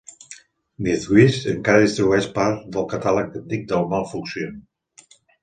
Deathwish encara distribueix part del catàleg antic de Malfunction.